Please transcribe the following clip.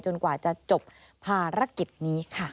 กว่าจะจบภารกิจนี้ค่ะ